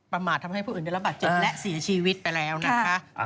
ประมาททำให้ผู้อื่นได้รับบาดเจ็บและเสียชีวิตไปแล้วนะคะ